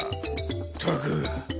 ったく。